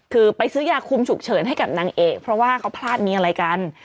คือไปซื้อยาคุมฉุกเฉินให้กับนางเอกเพราะว่าเขาพลาดมีอะไรกัน